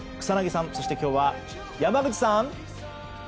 草薙さんそして、今日は山口さん。